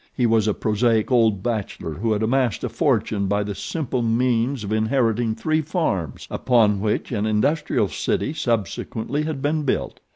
He was a prosaic old bachelor who had amassed a fortune by the simple means of inheriting three farms upon which an industrial city subsequently had been built.